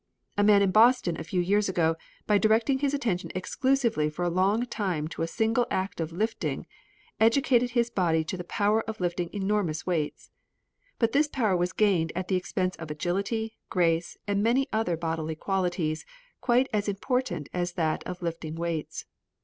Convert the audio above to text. A man in Boston a few years ago, by directing his attention exclusively for a long time to the single act of lifting, educated his body to the power of lifting enormous weights. But this power was gained at the expense of agility, grace, and many other bodily qualities quite as important as that of lifting weights.